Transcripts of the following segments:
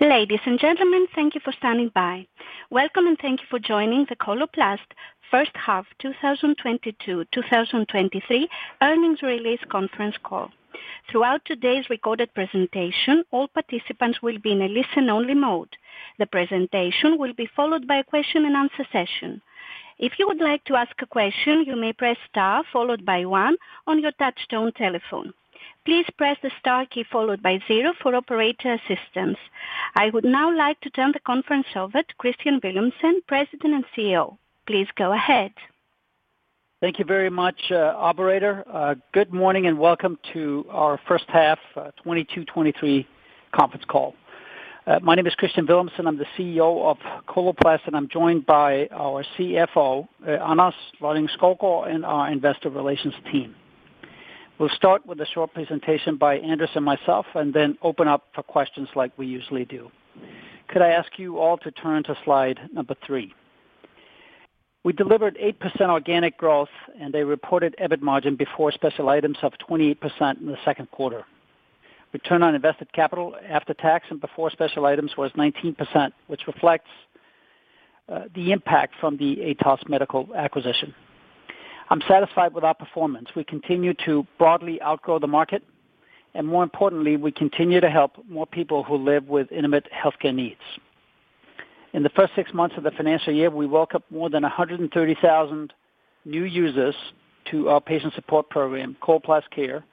Ladies and gentlemen, thank you for standing by. Welcome, and thank you for joining the Coloplast First Half 2022/2023 Earnings Release Conference Call. Throughout today's recorded presentation, all participants will be in a listen-only mode. The presentation will be followed by a question-and-answer session. If you would like to ask a question, you may press star followed by one on your touchtone telephone. Please press the star key followed by zero for operator assistance. I would now like to turn the conference over to Kristian Villumsen, President and CEO. Please go ahead. Thank you very much, operator. Good morning and welcome to our first half 22/23 conference call. My name is Kristian Villumsen. I'm the CEO of Coloplast, and I'm joined by our CFO, Anders Lønning-Skovgaard, and our investor relations team. We'll start with a short presentation by Anders and myself and then open up for questions like we usually do. Could I ask you all to turn to slide number three. We delivered 8% organic growth and a reported EBIT margin before special items of 28% in the second quarter. Return on invested capital after tax and before special items was 19%, which reflects the impact from the Atos Medical acquisition. I'm satisfied with our performance. We continue to broadly outgrow the market, and more importantly, we continue to help more people who live with intimate healthcare needs. In the first six months of the financial year, we woke up more than 130,000 new users to our patient support program, Coloplast Care,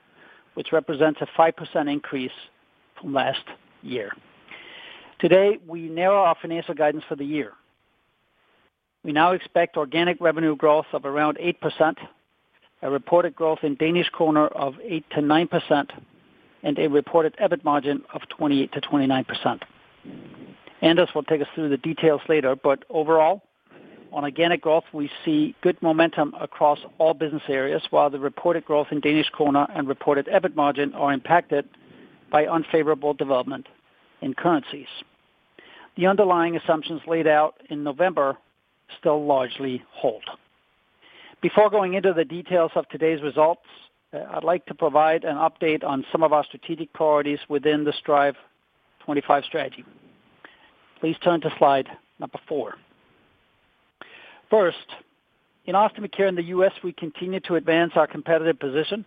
which represents a 5% increase from last year. Today, we narrow our financial guidance for the year. We now expect organic revenue growth of around 8%, a reported growth in Danish kroner of 8%-9%, and a reported EBIT margin of 28%-29%. Anders will take us through the details later, but overall, on organic growth, we see good momentum across all business areas, while the reported growth in Danish kroner and reported EBIT margin are impacted by unfavorable development in currencies. The underlying assumptions laid out in November still largely hold. Before going into the details of today's results, I'd like to provide an update on some of our strategic priorities within the Strive25 strategy. Please turn to slide number four. First, in Ostomy Care in the U.S., we continue to advance our competitive position.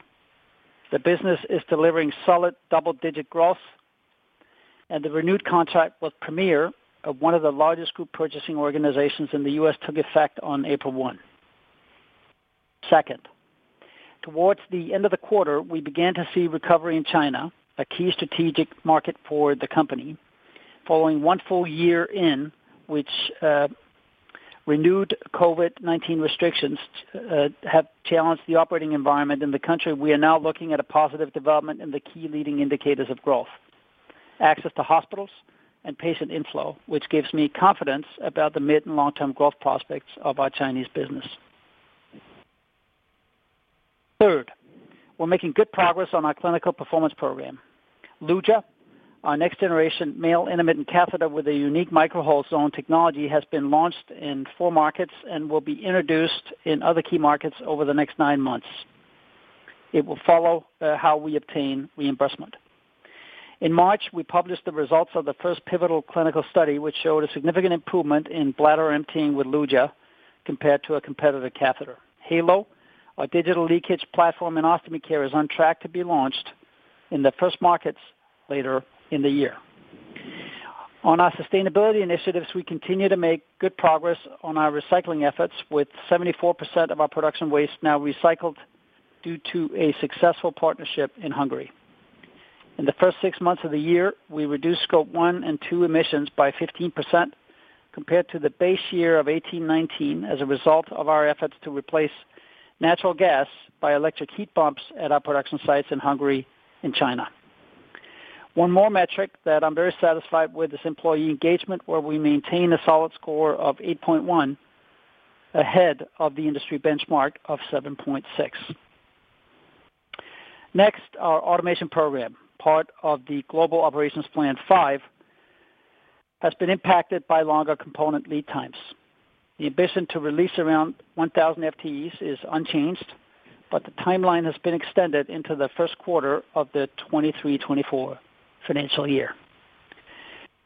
The business is delivering solid double-digit growth, and the renewed contract with Premier, one of the largest group purchasing organizations in the U.S., took effect on April 1. Second, towards the end of the quarter, we began to see recovery in China, a key strategic market for the company. Following one full year in which renewed COVID-19 restrictions have challenged the operating environment in the country, we are now looking at a positive development in the key leading indicators of growth, access to hospitals and patient inflow, which gives me confidence about the mid and long-term growth prospects of our Chinese business. Third, we're making good progress on our clinical performance program. Luja, our next-generation male intermittent catheter with a unique Micro-Hole Zone Technology, has been launched in four markets and will be introduced in other key markets over the next nine months. It will follow how we obtain reimbursement. In March, we published the results of the first pivotal clinical study, which showed a significant improvement in bladder emptying with Luja compared to a competitive catheter. Heylo, our digital leakage platform, and Ostomy Care is on track to be launched in the first markets later in the year. On our sustainability initiatives, we continue to make good progress on our recycling efforts, with 74% of our production waste now recycled due to a successful partnership in Hungary. In the first six months of the year, we reduced Scope 1 and 2 emissions by 15% compared to the base year of 2018/2019 as a result of our efforts to replace natural gas by electric heat pumps at our production sites in Hungary and China. One more metric that I'm very satisfied with is employee engagement, where we maintain a solid score of 8.1, ahead of the industry benchmark of 7.6. Our automation program, part of the Global Operations Plan 5, has been impacted by longer component lead times. The ambition to release around 1,000 FTEs is unchanged. The timeline has been extended into the first quarter of the 2023/2024 financial year.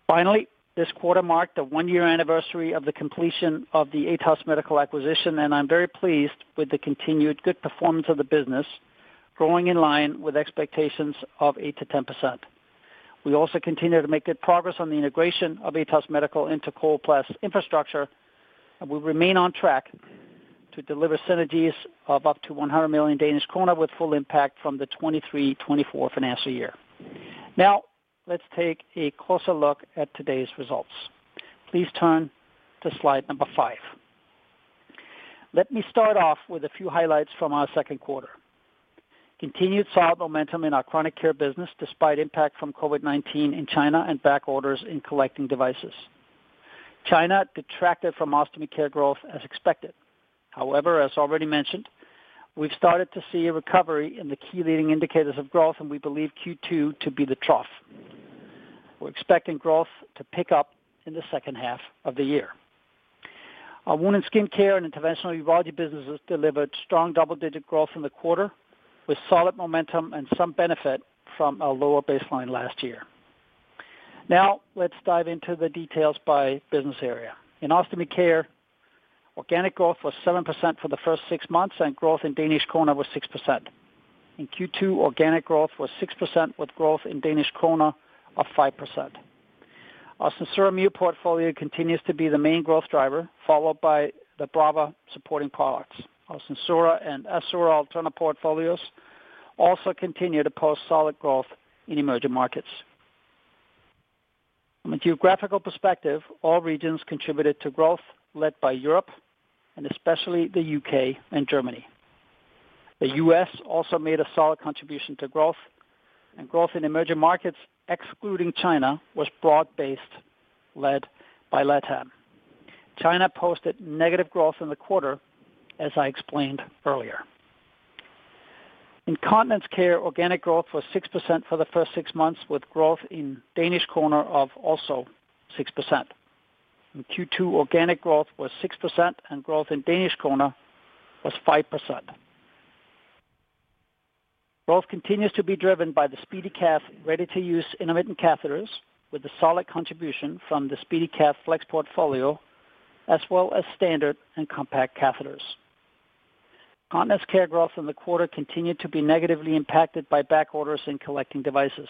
Finally, this quarter marked the one-year anniversary of the completion of the Atos Medical acquisition. I'm very pleased with the continued good performance of the business, growing in line with expectations of 8%-10%. We also continue to make good progress on the integration of Atos Medical into Coloplast infrastructure. We remain on track to deliver synergies of up to 100 million Danish kroner with full impact from the 2023/2024 financial year. Let's take a closer look at today's results. Please turn to slide number five. Let me start off with a few highlights from our second quarter. Continued solid momentum in our chronic care business despite impact from COVID-19 in China and back orders in collecting devices. China detracted from Ostomy Care growth as expected. However, as already mentioned, we've started to see a recovery in the key leading indicators of growth, and we believe Q2 to be the trough. We're expecting growth to pick up in the second half of the year. Our Wound and Skin Care and Interventional Urology businesses delivered strong double-digit growth in the quarter, with solid momentum and some benefit from a lower baseline last year. Now let's dive into the details by business area. In Ostomy Care, organic growth was 7% for the first six months, and growth in Danish krone was 6%. In Q2, organic growth was 6%, with growth in Danish krone of 5%. Our SenSura Mio portfolio continues to be the main growth driver, followed by the Brava supporting products. Our SenSura and Assura Alterna portfolios also continue to post solid growth in emerging markets. From a geographical perspective, all regions contributed to growth led by Europe and especially the U.K. and Germany. The U.S. also made a solid contribution to growth. Growth in emerging markets, excluding China, was broad-based, led by LATAM. China posted negative growth in the quarter, as I explained earlier. In Continence Care, organic growth was 6% for the first six months, with growth in Danish krone of also 6%. In Q2, organic growth was 6%. Growth in Danish krone was 5%. Growth continues to be driven by the SpeediCath ready-to-use intermittent catheters with a solid contribution from the SpeediCath Flex portfolio, as well as standard and compact catheters. Continence Care growth in the quarter continued to be negatively impacted by backorders in collecting devices.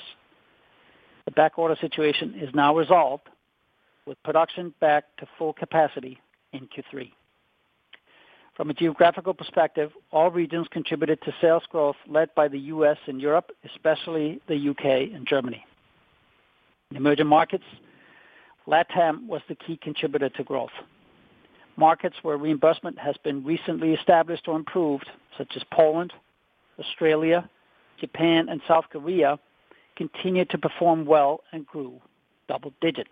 The backorder situation is now resolved with production back to full capacity in Q3. From a geographical perspective, all regions contributed to sales growth led by the U.S. and Europe, especially the U.K. and Germany. In emerging markets, LATAM was the key contributor to growth. Markets where reimbursement has been recently established or improved, such as Poland, Australia, Japan and South Korea, continued to perform well and grew double digit.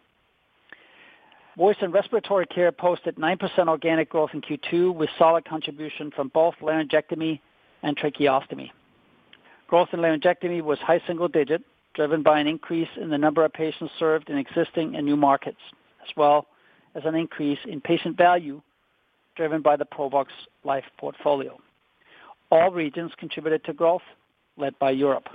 Voice and Respiratory Care posted 9% organic growth in Q2, with solid contribution from both laryngectomy and tracheostomy. Growth in laryngectomy was high single digit, driven by an increase in the number of patients served in existing and new markets, as well as an increase in patient value driven by the Provox Life portfolio. All regions contributed to growth led by Europe.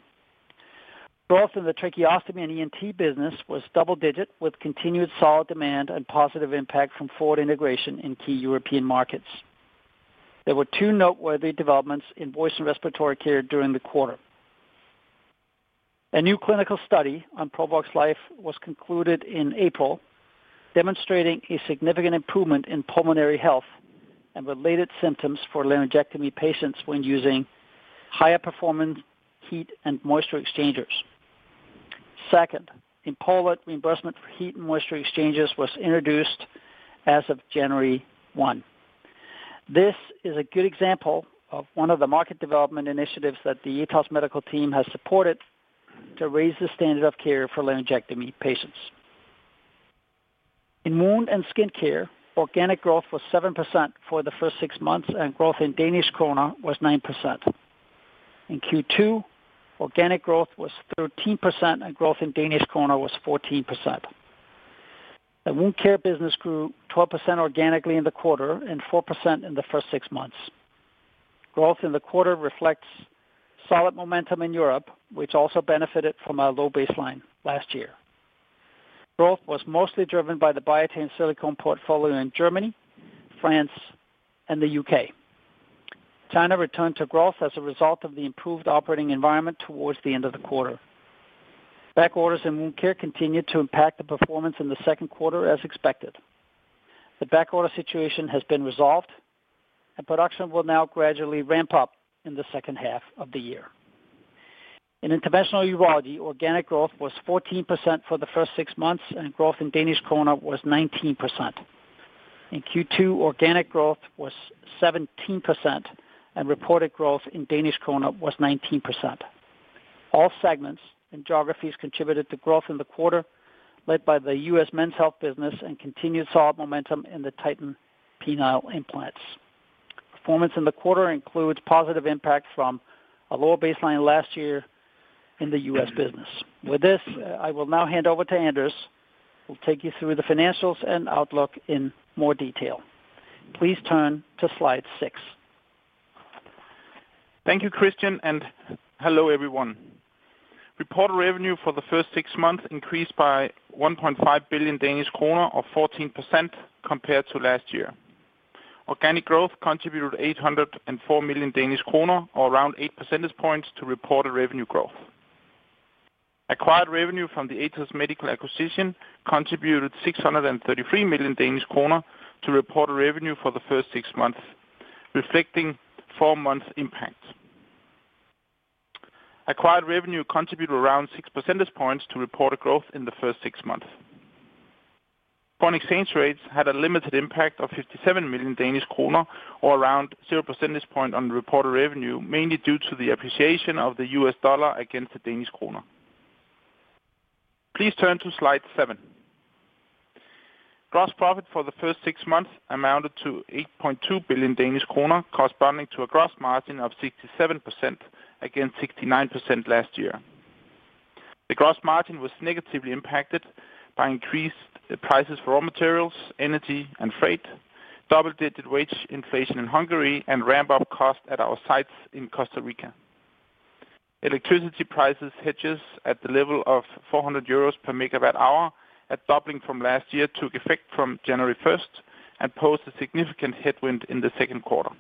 Growth in the tracheostomy and ENT business was double digit, with continued solid demand and positive impact from forward integration in key European markets. There were two noteworthy developments in Voice and Respiratory Care during the quarter. A new clinical study on Provox Life was concluded in April, demonstrating a significant improvement in pulmonary health and related symptoms for laryngectomy patients when using higher performance heat and moisture exchangers. Second, in Poland, reimbursement for heat and moisture exchangers was introduced as of January 1. This is a good example of one of the market development initiatives that the Atos Medical team has supported to raise the standard of care for laryngectomy patients. In Wound and Skin Care, organic growth was 7% for the first six months, and growth in DKK was 9%. In Q2, organic growth was 13% and growth in DKK was 14%. The wound care business grew 12% organically in the quarter and 4% in the first six months. Growth in the quarter reflects solid momentum in Europe, which also benefited from a low baseline last year. Growth was mostly driven by the Biatain silicone portfolio in Germany, France and the U.K. China returned to growth as a result of the improved operating environment towards the end of the quarter. Back orders in wound care continued to impact the performance in the second quarter as expected. The backorder situation has been resolved and production will now gradually ramp up in the second half of the year. In Interventional Urology, organic growth was 14% for the first six months and growth in Danish krone was 19%. In Q2, organic growth was 17% and reported growth in Danish krone was 19%. All segments and geographies contributed to growth in the quarter, led by the U.S. Men's Health Business and continued solid momentum in the Titan penile implants. Performance in the quarter includes positive impacts from a lower baseline last year in the US business. With this, I will now hand over to Anders, who will take you through the financials and outlook in more detail. Please turn to slide 6. Thank you, Kristian, and hello everyone. Reported revenue for the first six months increased by 1.5 billion Danish kroner or 14% compared to last year. Organic growth contributed 804 million Danish kroner or around 8% points to reported revenue growth. Acquired revenue from the Atos Medical acquisition contributed 633 million Danish kroner to reported revenue for the first six months, reflecting four months impact. Acquired revenue contributed around 6% points to reported growth in the first six months. Foreign exchange rates had a limited impact of 57 million Danish kroner or around 0% point on the reported revenue, mainly due to the appreciation of the US dollar against the Danish krone. Please turn to slide seven. Gross profit for the first six months amounted to 8.2 billion Danish kroner, corresponding to a gross margin of 67% against 69% last year. The gross margin was negatively impacted by increased prices for raw materials, energy and freight, double-digit wage inflation in Hungary, and ramp-up costs at our sites in Costa Rica. Electricity prices hedges at the level of 400 euros per megawatt hour, at doubling from last year took effect from January 1st and posed a significant headwind in the second quarter.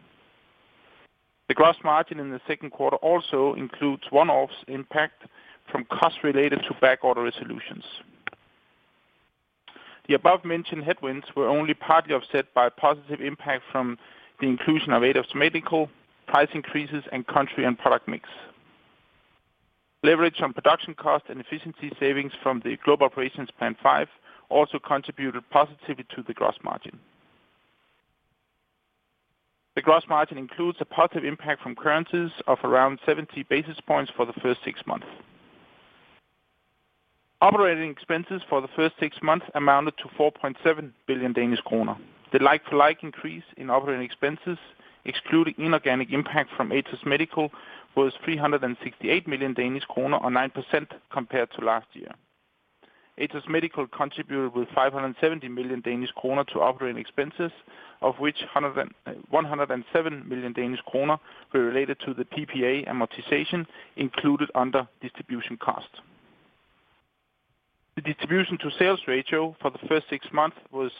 The gross margin in the second quarter also includes one-offs impact from costs related to backorder resolutions. The above-mentioned headwinds were only partly offset by positive impact from the inclusion of Atos Medical, price increases, and country and product mix. Leverage on production cost and efficiency savings from the Global Operations Plan 5 also contributed positively to the gross margin. The gross margin includes a positive impact from currencies of around 70 basis points for the first six months. Operating expenses for the first six months amounted to 4.7 billion Danish kroner. The like-for-like increase in operating expenses, excluding inorganic impact from Atos Medical, was 368 million Danish kroner, or 9% compared to last year. Atos Medical contributed with 570 million Danish kroner to operating expenses, of which 107 million Danish kroner were related to the PPA amortization included under distribution costs. The distribution to sales ratio for the first six months was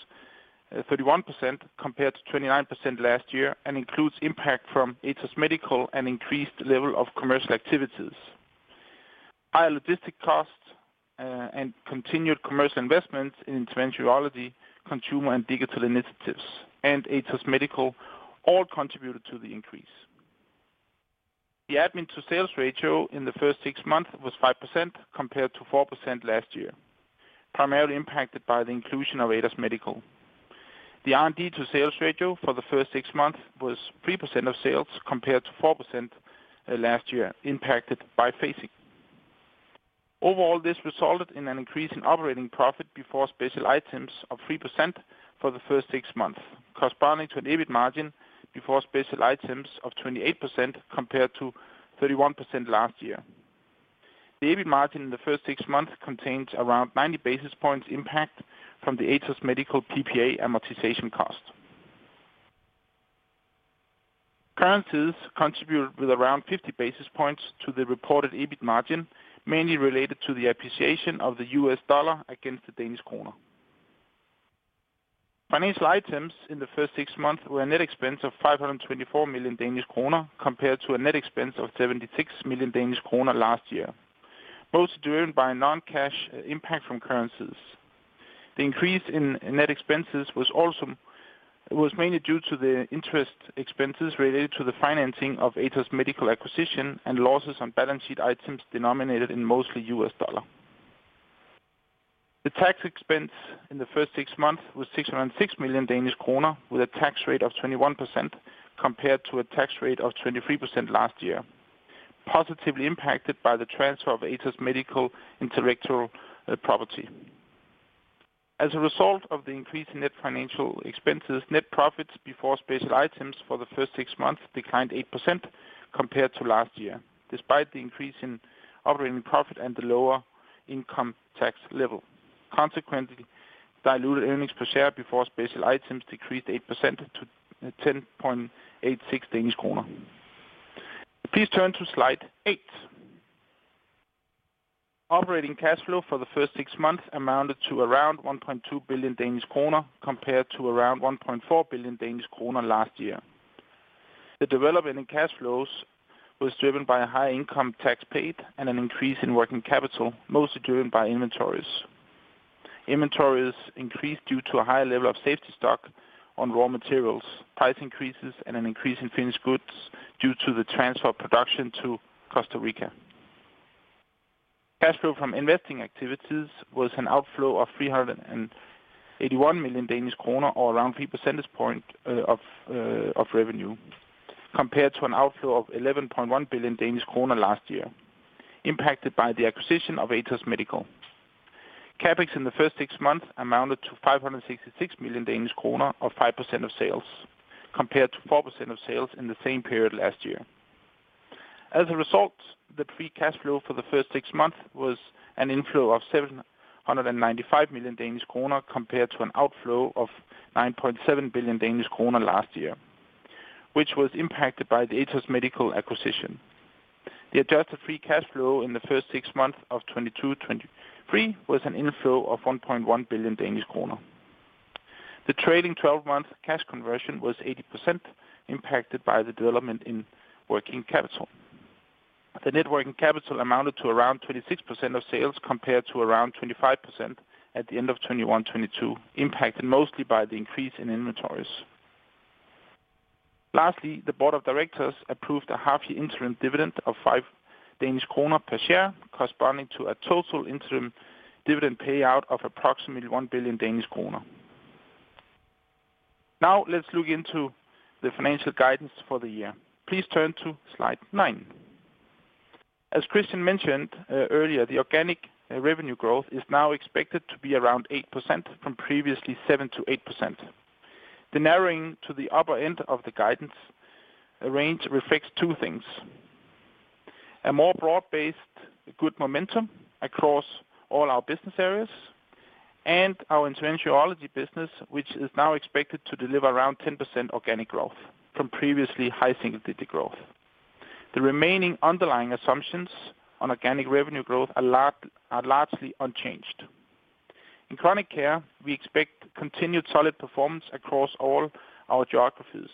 31% compared to 29% last year and includes impact from Atos Medical and increased level of commercial activities. Higher logistic costs, and continued commercial investments in Interventional Urology, consumer and digital initiatives, and Atos Medical all contributed to the increase. The admin to sales ratio in the first six months was 5% compared to 4% last year, primarily impacted by the inclusion of Atos Medical. The R&D to sales ratio for the first six months was 3% of sales compared to 4% last year impacted by phasing. This resulted in an increase in operating profit before special items of 3% for the first six months, corresponding to an EBIT margin before special items of 28% compared to 31% last year. The EBIT margin in the first six months contains around 90 basis points impact from the Atos Medical PPA amortization cost. Currencies contributed with around 50 basis points to the reported EBIT margin, mainly related to the appreciation of the US dollar against the Danish kroner. Financial items in the first six months were a net expense of 524 million Danish kroner compared to a net expense of 76 million Danish kroner last year, both driven by non-cash impact from currencies. The increase in net expenses was mainly due to the interest expenses related to the financing of Atos Medical acquisition and losses on balance sheet items denominated in mostly US dollar. The tax expense in the first six months was 606 million Danish kroner with a tax rate of 21%, compared to a tax rate of 23% last year, positively impacted by the transfer of Atos Medical intellectual property. As a result of the increased net financial expenses, net profits before special items for the first six months declined 8% compared to last year, despite the increase in operating profit and the lower income tax level. Consequently, diluted earnings per share before special items decreased 8% to 10.86 Danish kroner. Please turn to slide 8. Operating cash flow for the first six months amounted to around 1.2 billion Danish kroner compared to around 1.4 billion Danish kroner last year. The development in cash flows was driven by a high income tax paid and an increase in working capital, mostly driven by inventories. Inventories increased due to a higher level of safety stock on raw materials, price increases, and an increase in finished goods due to the transfer of production to Costa Rica. Cash flow from investing activities was an outflow of 381 million Danish kroner, or around 3% point of revenue, compared to an outflow of 11.1 billion Danish kroner last year, impacted by the acquisition of Atos Medical. CapEx in the first six months amounted to 566 million Danish kroner, or 5% of sales, compared to 4% of sales in the same period last year. As a result, the free cash flow for the first six months was an inflow of 795 million Danish kroner compared to an outflow of 9.7 billion Danish kroner last year, which was impacted by the Atos Medical acquisition. The adjusted free cash flow in the first six months of 2022, 2023 was an inflow of 1.1 billion Danish kroner. The trailing 12 -month cash conversion was 80% impacted by the development in working capital. The net working capital amounted to around 26% of sales, compared to around 25% at the end of 2021, 2022, impacted mostly by the increase in inventories. The board of directors approved a half year interim dividend of 5 Danish kroner per share, corresponding to a total interim dividend payout of approximately 1 billion Danish kroner. Let's look into the financial guidance for the year. Please turn to slide nine. As Kristian mentioned, earlier, the organic revenue growth is now expected to be around 8% from previously 7%-8%. The narrowing to the upper end of the guidance range reflects two things, a more broad-based good momentum across all our business areas and our Interventional business, which is now expected to deliver around 10% organic growth from previously high single-digit growth. The remaining underlying assumptions on organic revenue growth are largely unchanged. In chronic care, we expect continued solid performance across all our geographies.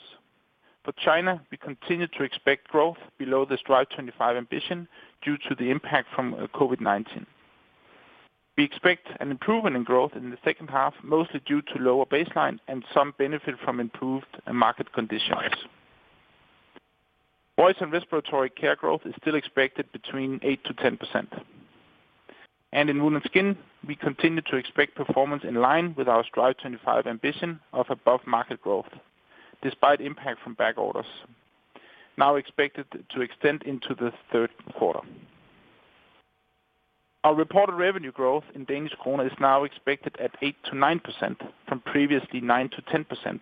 For China, we continue to expect growth below the Strive25 ambition due to the impact from COVID-19. We expect an improvement in growth in the second half, mostly due to lower baseline and some benefit from improved market conditions. Voice and respiratory care growth is still expected between 8%-10%. In wound and skin, we continue to expect performance in line with our Strive25 ambition of above market growth, despite impact from back orders now expected to extend into the third quarter. Our reported revenue growth in Danish krone is now expected at 8%-9% from previously 9%-10%,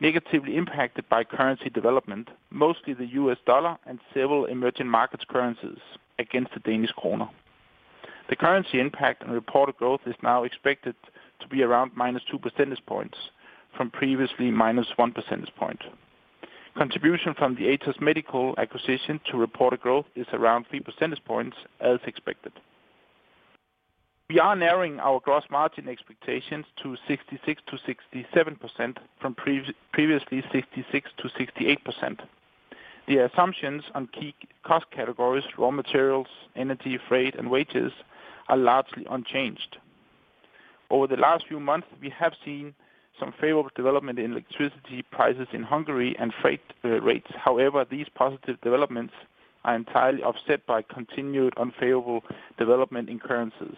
negatively impacted by currency development, mostly the US dollar and several emerging markets currencies against the Danish krone. The currency impact on reported growth is now expected to be around -2% points from previously -1% point. Contribution from the Atos Medical acquisition to reported growth is around 3% points as expected. We are narrowing our gross margin expectations to 66%-67% from previously 66%-68%. The assumptions on key cost categories, raw materials, energy, freight, and wages are largely unchanged. Over the last few months, we have seen some favorable development in electricity prices in Hungary and freight rates. However, these positive developments are entirely offset by continued unfavorable development in currencies.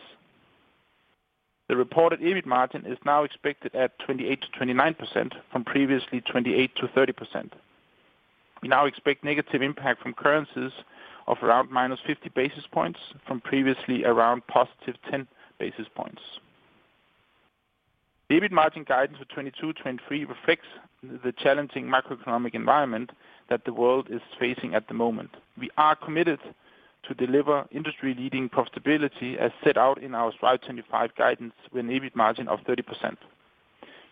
The reported EBIT margin is now expected at 28%-29% from previously 28%-30%. We now expect negative impact from currencies of around -50 basis points from previously around +10 basis points. EBIT margin guidance for 2022, 2023 reflects the challenging macroeconomic environment that the world is facing at the moment. We are committed to deliver industry-leading profitability as set out in our Strive25 guidance with an EBIT margin of 30%.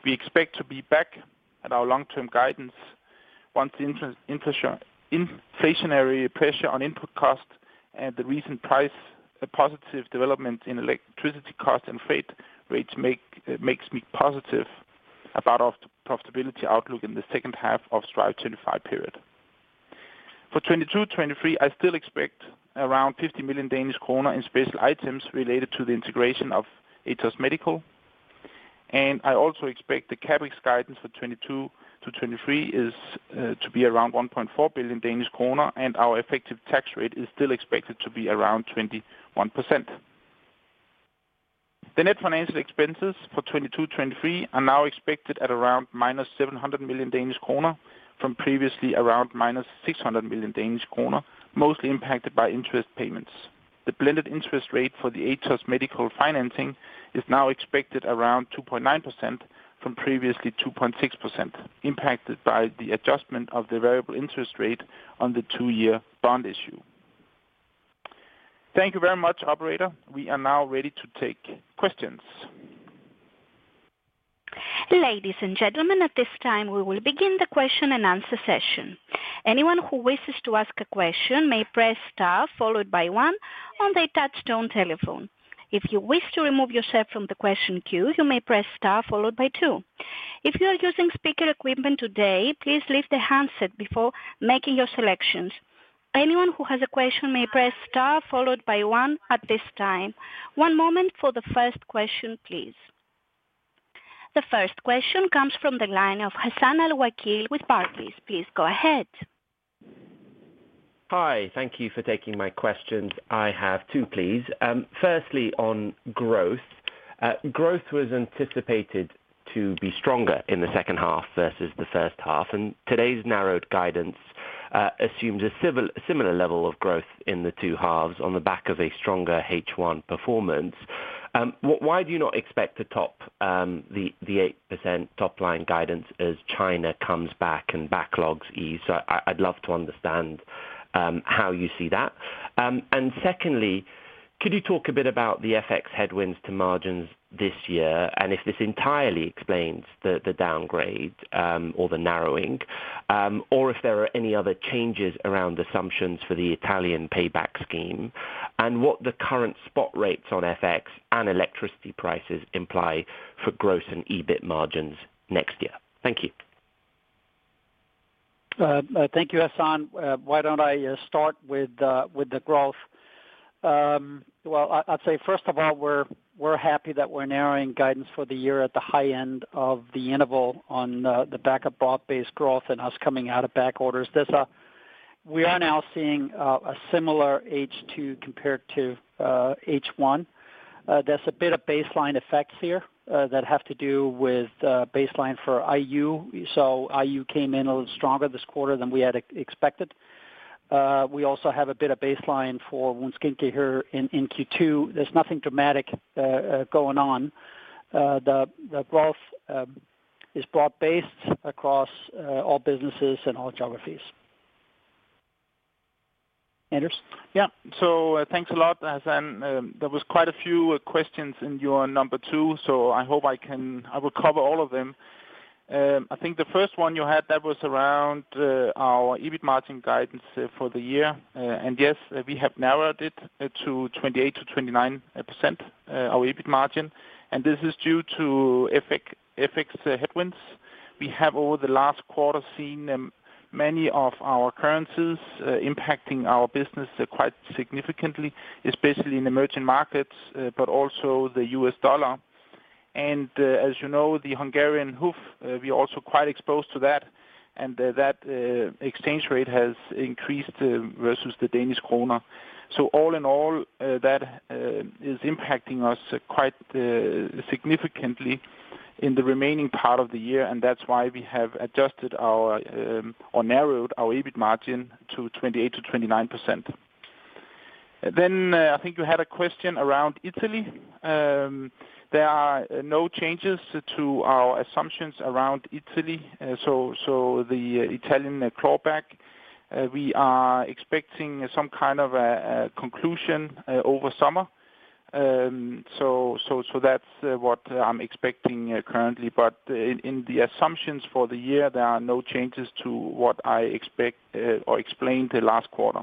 We expect to be back at our long-term guidance once the inflationary pressure on input cost and the recent positive development in electricity cost and freight rates makes me positive about our profitability outlook in the second half of Strive25 period. For 2022-2023, I still expect around 50 million Danish kroner in special items related to the integration of Atos Medical. I also expect the CapEx guidance for 2022-2023 to be around 1.4 billion Danish kroner, and our effective tax rate is still expected to be around 21%. The net financial expenses for 2022-2023 are now expected at around -700 million Danish kroner from previously around -600 million Danish kroner, mostly impacted by interest payments. The blended interest rate for the Atos Medical financing is now expected around 2.9% from previously 2.6%, impacted by the adjustment of the variable interest rate on the two-year bond issue. Thank you very much, operator. We are now ready to take questions. Ladies and gentlemen, at this time we will begin the question and answer session. Anyone who wishes to ask a question may press star followed by one on their touchtone telephone. If you wish to remove yourself from the question queue, you may press star followed by two. If you are using speaker equipment today, please leave the handset before making your selections. Anyone who has a question may press star followed by one at this time. One moment for the first question, please. The first question comes from the line of Hassan Al-Wakeel with Barclays. Please go ahead. Hi. Thank you for taking my questions. I have two, please. Firstly, on growth. Growth was anticipated to be stronger in the second half versus the first half, and today's narrowed guidance assumes a similar level of growth in the two halves on the back of a stronger H1 performance. Why do you not expect to top the 8% top-line guidance as China comes back and backlogs ease? I'd love to understand how you see that. Secondly, could you talk a bit about the FX headwinds to margins this year, and if this entirely explains the downgrade or the narrowing, or if there are any other changes around assumptions for the Italian payback scheme, and what the current spot rates on FX and electricity prices imply for growth and EBIT margins next year? Thank you. Thank you, Hassan. Why don't I start with the growth? Well, I'd say, first of all, we're happy that we're narrowing guidance for the year at the high end of the interval on the back of broad-based growth and us coming out of back orders. We are now seeing a similar H2 compared to H1. There's a bit of baseline effects here that have to do with baseline for IU. IU came in a little stronger this quarter than we had expected. We also have a bit of baseline for wound skin care here in Q2. There's nothing dramatic going on. The growth is broad-based across all businesses and all geographies. Anders? Thanks a lot, Hassan. There was quite a few questions in your number two, so I hope I will cover all of them. I think the first one you had, that was around our EBIT margin guidance for the year. Yes, we have narrowed it to 28%-29% our EBIT margin, and this is due to effects headwinds. We have, over the last quarter, seen many of our currencies impacting our business quite significantly, especially in emerging markets, but also the US dollar. As you know, the Hungarian forint, we are also quite exposed to that, and that exchange rate has increased versus the Danish krone. All in all, that is impacting us quite significantly in the remaining part of the year, and that's why we have adjusted our, or narrowed our EBIT margin to 28%-29%. I think you had a question around Italy. There are no changes to our assumptions around Italy. The Italian clawback, we are expecting some kind of a conclusion, over summer. That's what I'm expecting, currently. In the assumptions for the year, there are no changes to what I expect, or explained the last quarter.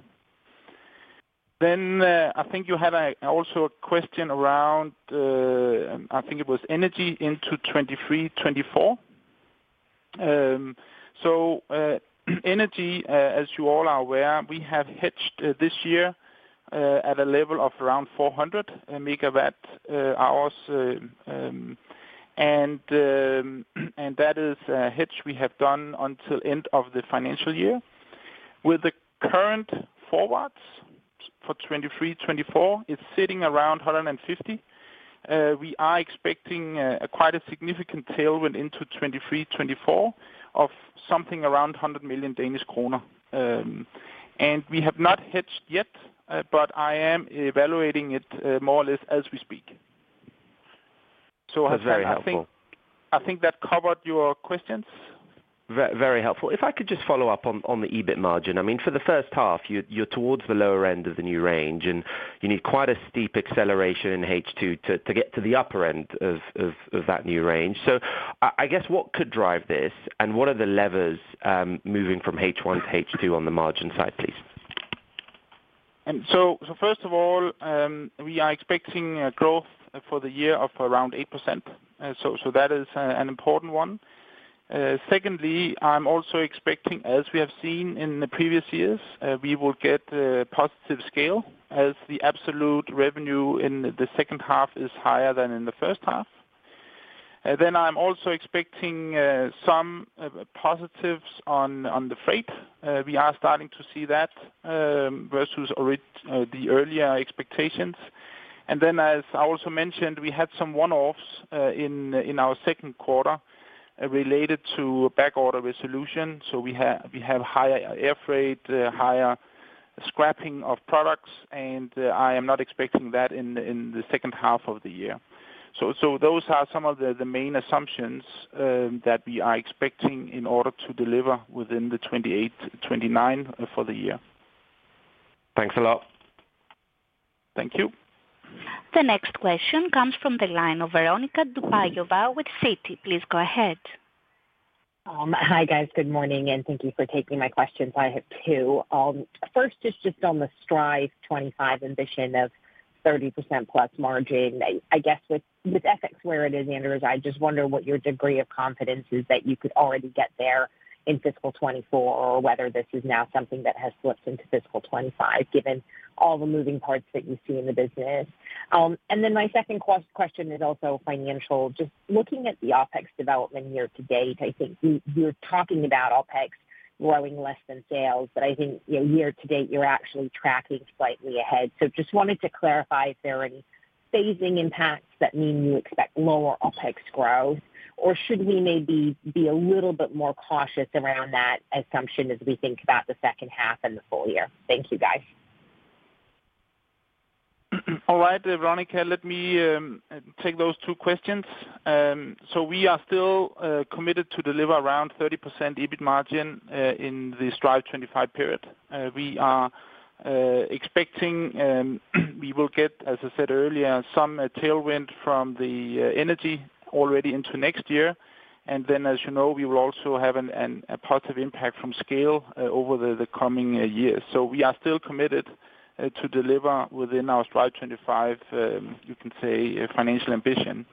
I think you had also a question around, I think it was energy into 2023, 2024. Energy, as you all are aware, we have hedged this year at a level of around 400 megawatt hours. That is a hedge we have done until end of the financial year. With the current forwards for 2023, 2024, it's sitting around 150. We are expecting quite a significant tailwind into 2023, 2024 of something around 100 million Danish kroner. We have not hedged yet, but I am evaluating it more or less as we speak. Hassan That's very helpful. I think that covered your questions. Very helpful. If I could just follow up on the EBIT margin. I mean, for the first half, you're towards the lower end of the new range, and you need quite a steep acceleration in H2 to get to the upper end of that new range. I guess what could drive this, and what are the levers moving from H1 to H2 on the margin side, please? First of all, we are expecting growth for the year of around 8%. That is an important one. Secondly, I'm also expecting, as we have seen in the previous years, we will get a positive scale, as the absolute revenue in the second half is higher than in the first half. Then I'm also expecting some positives on the freight. We are starting to see that versus the earlier expectations. As I also mentioned, we had some one-offs in our second quarter related to backorder resolution. We have higher air freight, higher scrapping of products, and I am not expecting that in the second half of the year. Those are some of the main assumptions that we are expecting in order to deliver within the 28-29 for the year. Thanks a lot. Thank you. The next question comes from the line of Veronika Dubajova with Citi. Please go ahead. Hi, guys. Good morning, and thank you for taking my questions. I have two. First is just on the Strive25 ambition of 30% plus margin. I guess with FX where it is, Anders, I just wonder what your degree of confidence is that you could already get there in fiscal 2024, or whether this is now something that has slipped into fiscal 2025, given all the moving parts that you see in the business. My second question is also financial. Just looking at the OpEx development year to date, I think you're talking about OpEx growing less than sales, but I think, you know, year to date, you're actually tracking slightly ahead. Just wanted to clarify if there are any phasing impacts that mean you expect lower OpEx growth, or should we maybe be a little bit more cautious around that assumption as we think about the second half and the full year? Thank you, guys. All right, Veronica, let me take those two questions. We are still committed to deliver around 30% EBIT margin in the Strive25 period. We are expecting we will get, as I said earlier, some tailwind from the energy already into next year. Then, as you know, we will also have a positive impact from scale over the coming years. We are still committed to deliver within our Strive25, you can say, financial ambition.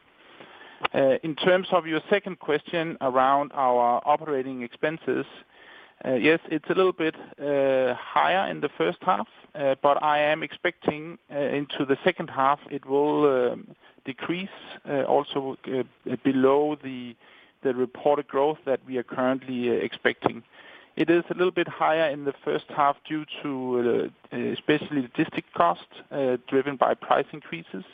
In terms of your second question around our operating expenses, yes, it's a little bit higher in the first half, but I am expecting into the second half, it will decrease also below the reported growth that we are currently expecting. It is a little bit higher in the first half due to especially logistic costs, driven by price increases.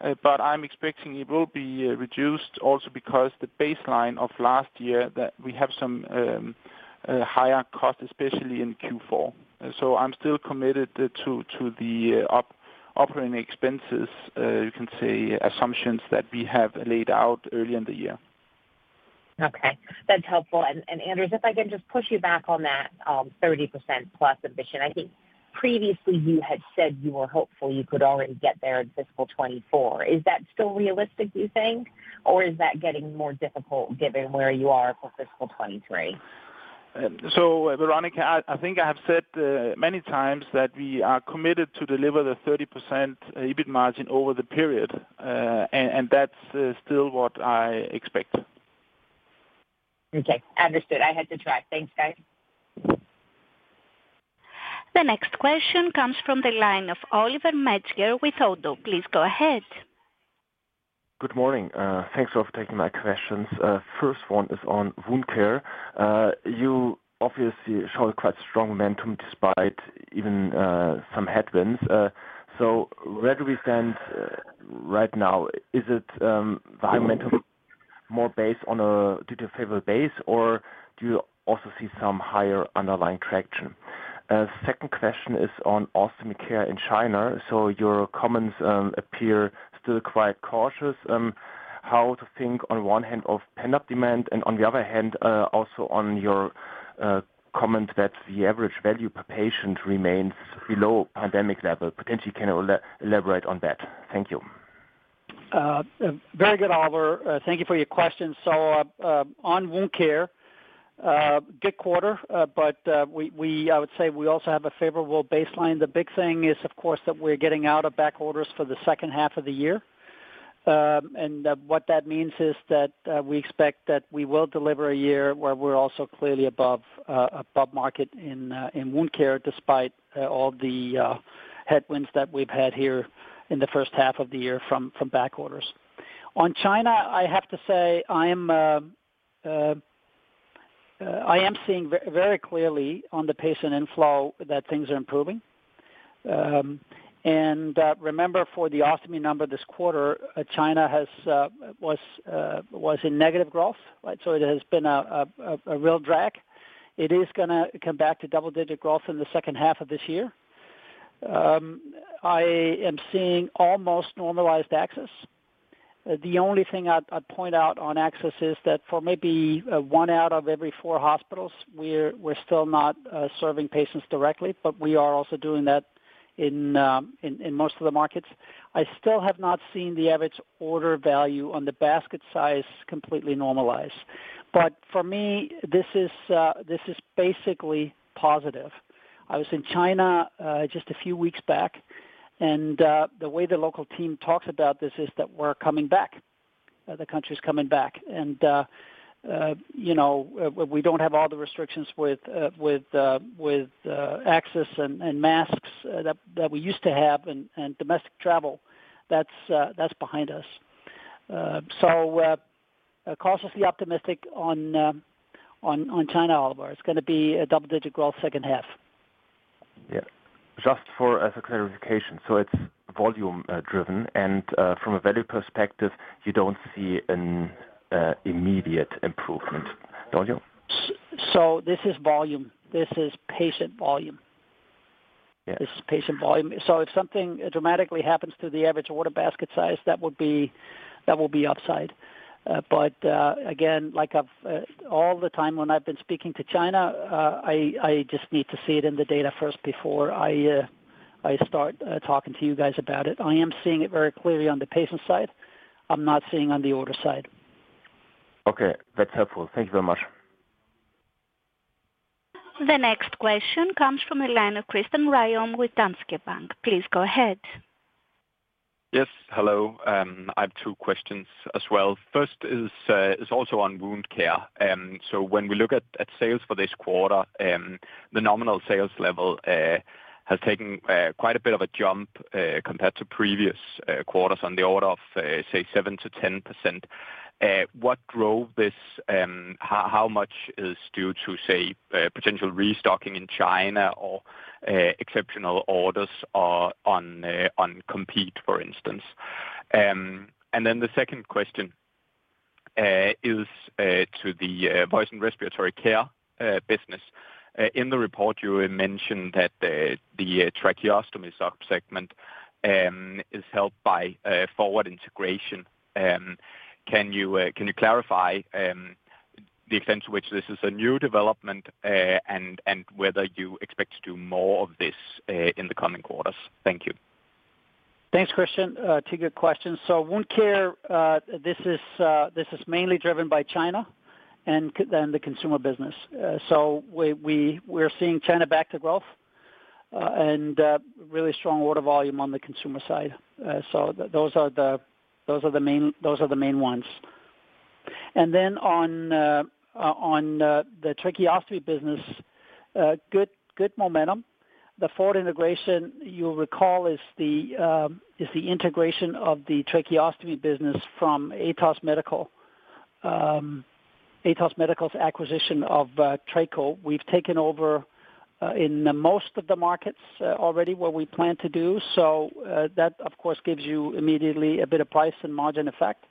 I'm expecting it will be reduced also because the baseline of last year that we have some higher costs, especially in Q4. I'm still committed to the operating expenses, you can say assumptions that we have laid out early in the year. Okay, that's helpful. Anders, if I can just push you back on that, 30% plus ambition. I think previously you had said you were hopeful you could already get there in fiscal 2024. Is that still realistic, do you think, or is that getting more difficult given where you are for fiscal 2023? Veronica, I think I have said many times that we are committed to deliver the 30% EBIT margin over the period. That's still what I expect. Okay. Understood. I had to try. Thanks, guys. The next question comes from the line of Oliver Metzger with Oddo. Please go ahead. Good morning. Thanks for taking my questions. First one is on wound care. You obviously show quite strong momentum despite even some headwinds. Where do we stand right now? Is it the momentum more based on a due to favorable base, or do you also see some higher underlying traction? Second question is on ostomy care in China. Your comments appear still quite cautious. How to think on one hand of pent-up demand and on the other hand, also on your comment that the average value per patient remains below pandemic level. Potentially, can you elaborate on that? Thank you. Very good, Oliver. Thank you for your questions. On wound care, good quarter, but I would say we also have a favorable baseline. The big thing is, of course, that we're getting out of back orders for the second half of the year. And what that means is that we expect that we will deliver a year where we're also clearly above market in wound care, despite all the headwinds that we've had here in the first half of the year from back orders. On China, I have to say I am seeing very clearly on the patient inflow that things are improving. And remember for the ostomy number this quarter, China has was in negative growth, right? It has been a real drag. It is gonna come back to double-digit growth in the second half of this year. I am seeing almost normalized access. The only thing I'd point out on access is that for maybe one out of every four hospitals, we're still not serving patients directly, but we are also doing that in most of the markets. I still have not seen the average order value on the basket size completely normalized. For me, this is basically positive. I was in China just a few weeks back, and the way the local team talks about this is that we're coming back. The country's coming back. You know, we don't have all the restrictions with access and masks that we used to have and domestic travel. That's behind us. Cautiously optimistic on China, Oliver. It's gonna be a double-digit growth second half. Yeah. Just for as a clarification, it's volume driven and from a value perspective, you don't see an immediate improvement, don't you? This is volume. This is patient volume. Yeah. This is patient volume. If something dramatically happens to the average order basket size, that will be upside. Again, like I've, all the time when I've been speaking to China, I just need to see it in the data first before I start talking to you guys about it. I am seeing it very clearly on the patient side. I'm not seeing on the order side. Okay. That's helpful. Thank you very much. The next question comes from the line of Christian Ryom with Danske Bank. Please go ahead. Yes. Hello. I have two questions as well. First is also on wound care. When we look at sales for this quarter, the nominal sales level has taken quite a bit of a jump compared to previous quarters on the order of, say, 7% to 10%. What drove this? How much is due to, say, potential restocking in China or exceptional orders, or on compete, for instance? The second question is to the voice and respiratory care business. In the report, you mentioned that the tracheostomy sub-segment is helped by a forward integration. Can you clarify the extent to which this is a new development and whether you expect to do more of this in the coming quarters? Thank you. Thanks, Christian. Two good questions. Wound care, this is mainly driven by China and the consumer business. We're seeing China back to growth and really strong order volume on the consumer side. Those are the main ones. On the tracheostomy business, good momentum. The forward integration, you'll recall, is the integration of the tracheostomy business from Atos Medical. Atos Medical's acquisition of Traco. We've taken over in most of the markets already, what we plan to do. That of course gives you immediately a bit of price and margin effect.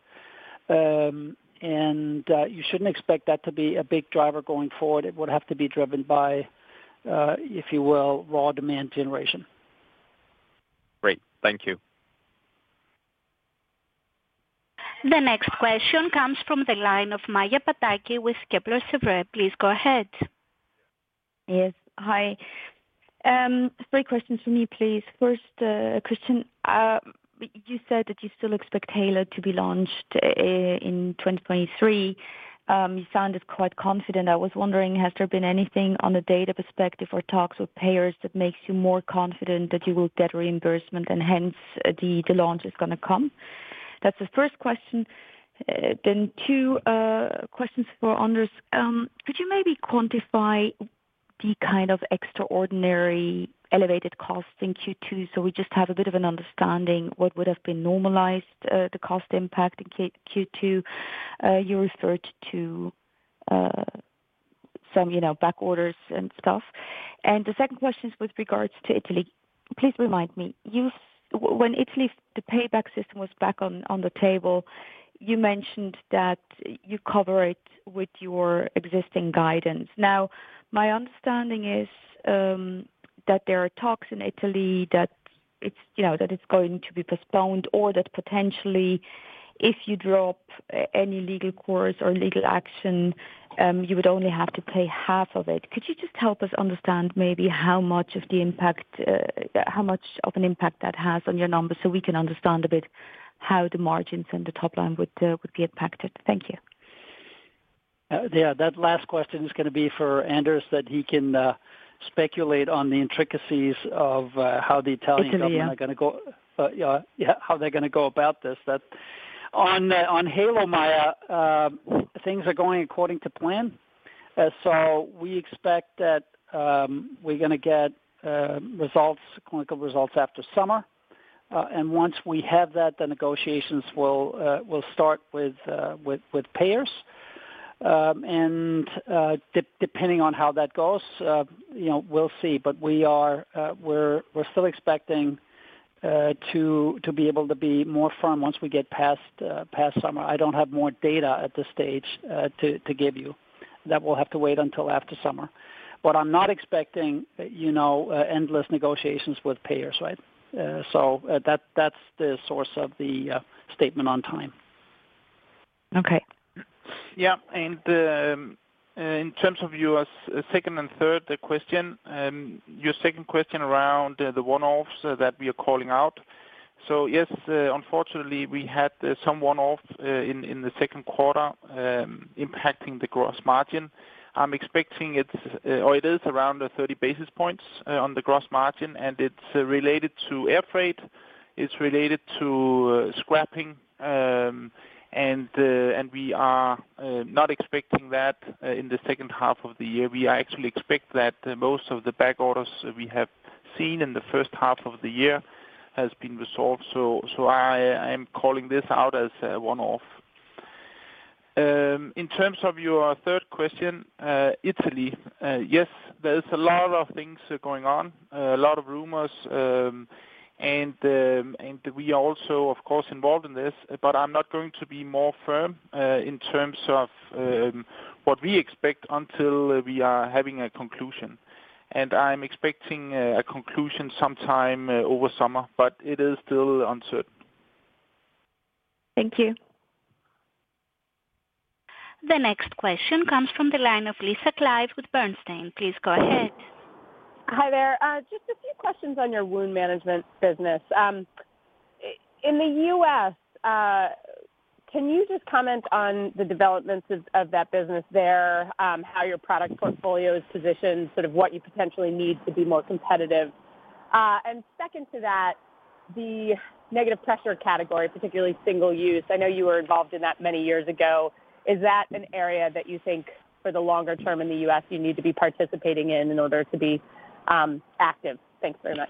You shouldn't expect that to be a big driver going forward. It would have to be driven by, if you will, raw demand generation. Great. Thank you. The next question comes from the line of Maja Pataki with Kepler Cheuvreux. Please go ahead. Yes. Hi. Three questions for me, please. First, Kristian, you said that you still expect Heylo to be launched in 2023. You sounded quite confident. I was wondering, has there been anything on the data perspective or talks with payers that makes you more confident that you will get reimbursement and hence the launch is gonna come? That's the first question. Two questions for Anders. Could you maybe quantify the kind of extraordinary elevated costs in Q2, so we just have a bit of an understanding what would have been normalized, the cost impact in Q2? You referred to some, you know, back orders and stuff. The second question is with regards to Italy. Please remind me. When Italy's, the payback system was back on the table, you mentioned that you cover it with your existing guidance. Now, my understanding is that there are talks in Italy that it's, you know, that it's going to be postponed or that potentially if you drop any legal course or legal action, you would only have to pay half of it. Could you just help us understand maybe how much of the impact, how much of an impact that has on your numbers, so we can understand a bit how the margins and the top line would be impacted? Thank you. Yeah, that last question is gonna be for Anders, that he can speculate on the intricacies of how the Italian- Italy, yeah. ...government are gonna go, yeah, how they're gonna go about this. That on Heylo, Maya, things are going according to plan. We expect that, we're gonna get results, clinical results after summer. Once we have that, the negotiations will start with payers. Depending on how that goes, you know, we'll see. We are, we're still expecting to be able to be more firm once we get past summer. I don't have more data at this stage to give you. That will have to wait until after summer. I'm not expecting, you know, endless negotiations with payers, right? That's the source of the statement on time. Okay. Yeah. In terms of your second and third question, your second question around the one-offs that we are calling out. Yes, unfortunately, we had some one-offs in the second quarter, impacting the gross margin. I'm expecting it's, or it is around the 30 basis points on the gross margin, and it's related to air freight, it's related to scrapping. We are not expecting that in the second half of the year. We are actually expect that most of the back orders we have seen in the first half of the year has been resolved. I am calling this out as a one-off. In terms of your third question, Italy, yes, there is a lot of things going on, a lot of rumors. We are also of course involved in this, but I'm not going to be more firm in terms of what we expect until we are having a conclusion. I'm expecting a conclusion sometime over summer, but it is still uncertain. Thank you. The next question comes from the line of Lisa Clive with Bernstein. Please go ahead. Hi there. Just a few questions on your wound management business. In the U.S., can you just comment on the developments of that business there, how your product portfolio is positioned, sort of what you potentially need to be more competitive? Second to that, the negative pressure category, particularly single use, I know you were involved in that many years ago. Is that an area that you think for the longer term in the U.S. you need to be participating in in order to be active? Thanks very much.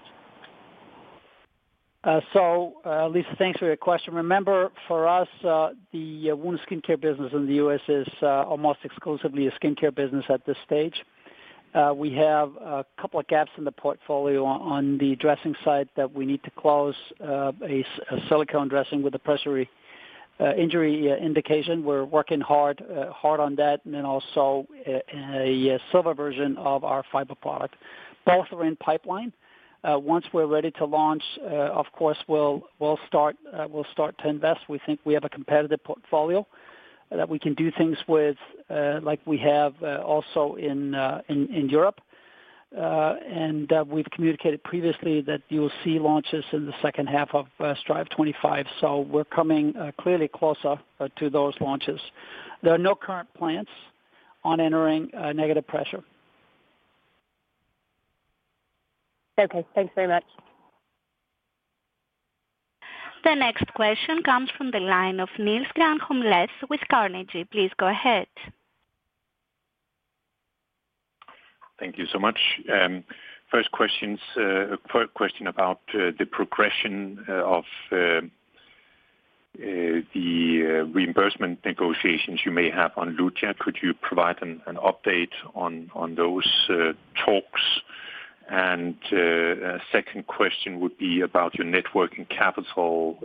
Lisa, thanks for your question. Remember, for us, the wound skincare business in the U.S. is almost exclusively a skincare business at this stage. We have a couple of gaps in the portfolio on the dressing side that we need to close, a silicone dressing with a pressure injury indication. We're working hard on that, and then also a silver version of our fiber product. Both are in pipeline. Once we're ready to launch, of course we'll start to invest. We think we have a competitive portfolio that we can do things with, like we have, also in Europe. We've communicated previously that you'll see launches in the second half of Strive25. We're coming clearly closer to those launches. There are no current plans on entering negative pressure. Okay, thanks very much. The next question comes from the line of Niels Granholm-Leth with Carnegie. Please go ahead. Thank you so much. First questions, question about the progression of the reimbursement negotiations you may have on Luja. Could you provide an update on those talks? A second question would be about your net working capital.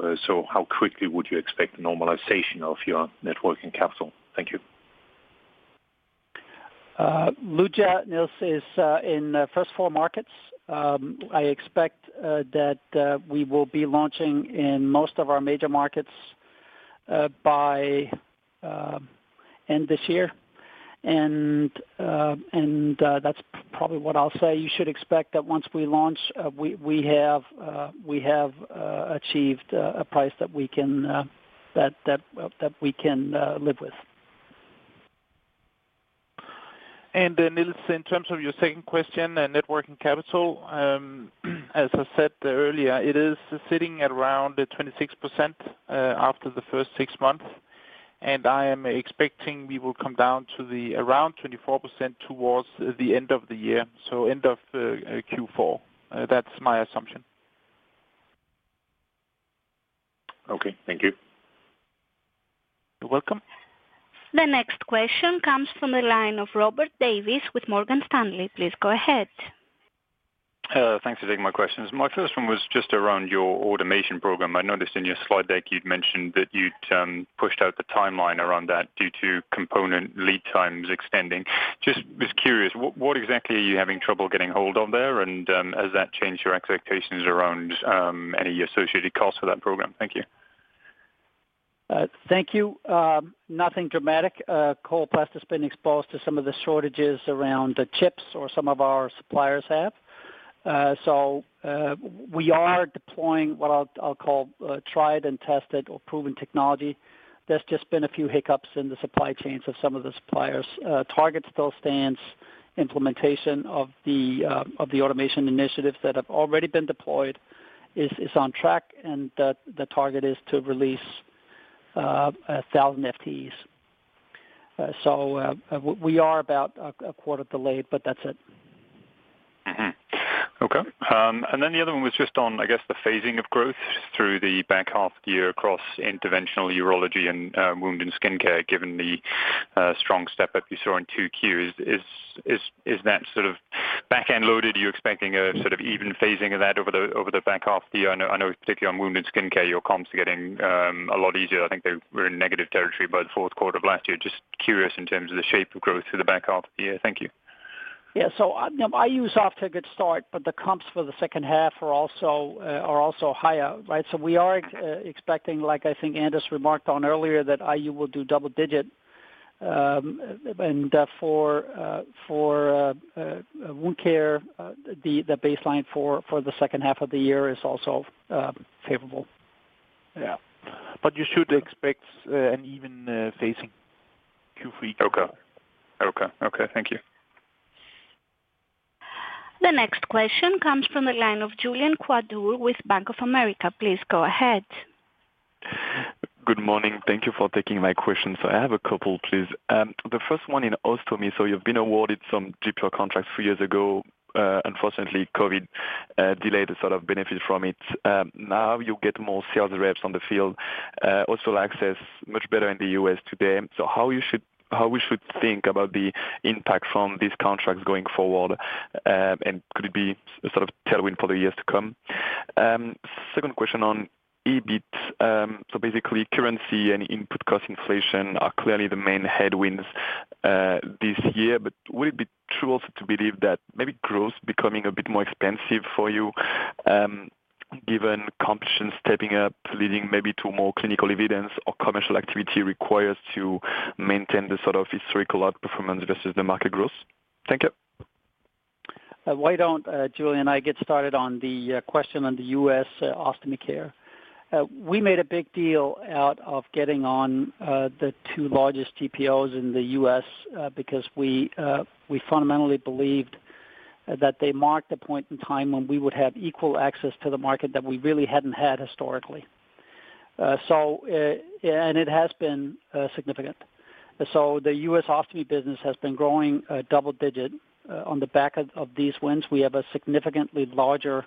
How quickly would you expect the normalization of your net working capital? Thank you. Luja, Niels, is in first four markets. I expect that we will be launching in most of our major markets by end this year and that's probably what I'll say. You should expect that once we launch, we have achieved a price that we can that, well, that we can live with. Niels, in terms of your second question in net working capital, as I said earlier, it is sitting at around 26% after the first six months. I am expecting we will come down to the around 24% towards the end of the year, so end of Q4. That's my assumption. Okay, thank you. You're welcome. The next question comes from the line of Robert Davies with Morgan Stanley. Please go ahead. Thanks for taking my questions. My first one was just around your automation program. I noticed in your slide deck you'd mentioned that you'd pushed out the timeline around that due to component lead times extending. Just was curious, what exactly are you having trouble getting hold of there? Has that changed your expectations around any associated costs for that program? Thank you. Thank you. Nothing dramatic. Coloplast has been exposed to some of the shortages around the chips or some of our suppliers have. So we are deploying what I will call tried and tested or proven technology. There has just been a few hiccups in the supply chains of some of the suppliers. Target still stands. Implementation of the automation initiatives that have already been deployed is on track, and the target is to release 1,000 FTEs. So we are about a quarter delayed, but that is it. Mm-hmm. Okay. The other one was just on, I guess the phasing of growth through the back half year across interventional urology and wound and skin care, given the strong step up we saw in 2Q. Is that sort of back end loaded? Are you expecting a sort of even phasing of that over the, over the back half of the year? I know particularly on wound and skin care, your comps are getting a lot easier. I think they were in negative territory by the fourth quarter of last year. Just curious in terms of the shape of growth through the back half of the year. Thank you. Yeah. Now IU is off to a good start, the comps for the second half are also higher, right? We are expecting, like I think Anders remarked on earlier, that IU will do double digit. For wound care, the baseline for the second half of the year is also favorable. You should expect an even phasing Q3. Okay. Okay. Okay, thank you. The next question comes from the line of Julian Quist with Bank of America. Please go ahead. Good morning. Thank you for taking my question. I have a couple, please. The first one in Ostomy. You've been awarded some GPO contracts three years ago. Unfortunately, COVID delayed the sort of benefit from it. Now you get more sales reps on the field, also access much better in the U.S. today. How we should think about the impact from these contracts going forward? Could it be a sort of tailwind for the years to come? Second question on EBIT. Basically currency and input cost inflation are clearly the main headwinds this year. Would it be true also to believe that maybe growth becoming a bit more expensive for you, given competition stepping up, leading maybe to more clinical evidence or commercial activity requires to maintain the sort of historical outperformance versus the market growth? Thank you. Why don't Julian, I get started on the question on the U.S. Ostomy Care? We made a big deal out of getting on the largest GPOs in the U.S. because we fundamentally believed that they marked a point in time when we would have equal access to the market that we really hadn't had historically. It has been significant. The U.S. Ostomy business has been growing double-digit on the back of these wins. We have a significantly larger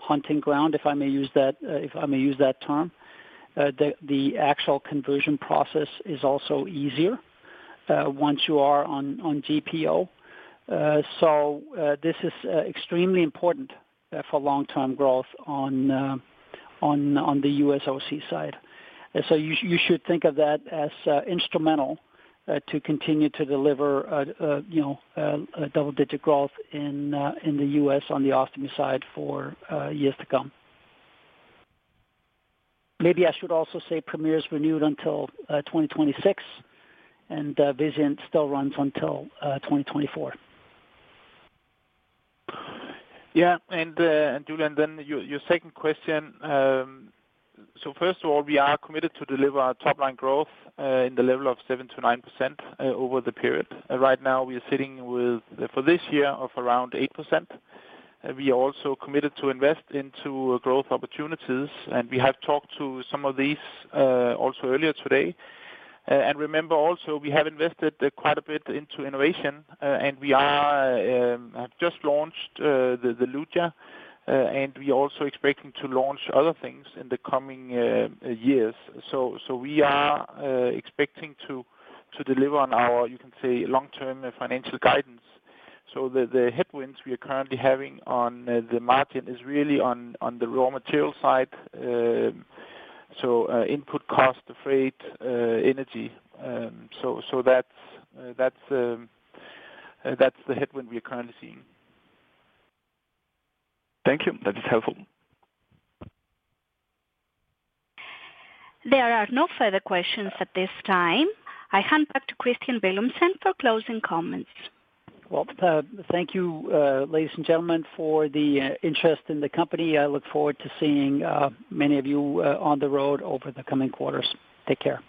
hunting ground, if I may use that, if I may use that term. The actual conversion process is also easier once you are on GPO. This is extremely important for long-term growth on the U.S. OC side. You should think of that as instrumental to continue to deliver, you know, a double-digit growth in the U.S. on the ostomy side for years to come. Maybe I should also say Premier's renewed until 2026 and Vizient still runs until 2024. Yeah. Julian, your second question. First of all, we are committed to deliver our top line growth in the level of 7%-9% over the period. Right now we are sitting with, for this year, of around 8%. We are also committed to invest into growth opportunities, and we have talked to some of these also earlier today. Remember also, we have invested quite a bit into innovation, and we have just launched Lutera, and we're also expecting to launch other things in the coming years. We are expecting to deliver on our, you can say, long-term financial guidance. The headwinds we are currently having on the margin is really on the raw material side. Input cost, the freight, energy. That's the headwind we are currently seeing. Thank you. That is helpful. There are no further questions at this time. I hand back to Kristian Villumsen for closing comments. Well, thank you, ladies and gentlemen, for the interest in the company. I look forward to seeing many of you on the road over the coming quarters. Take care.